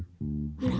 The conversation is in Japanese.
あら。